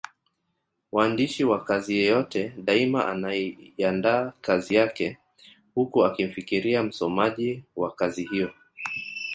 Waandishi wa kazi yeyote daima anaiandaa kazi yake huku akimfikiria msomaji wa kazi hiyo.